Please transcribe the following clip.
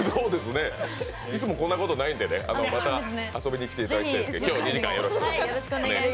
いつもこんなことないんでまた遊びに来ていただきたい、今日は２時間よろしくお願いします